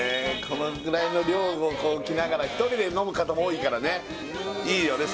このぐらいの量を置きながら１人で飲む方も多いからねいいよね